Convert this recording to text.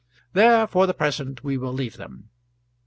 There for the present we will leave them.